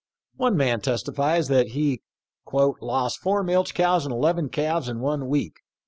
, One man testifies that he " lost four milch cows and eleven calves in one week."